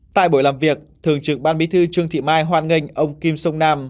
tại buổi làm việc thường trực ban bí thư trương thị mai hoan nghênh ông kim sông nam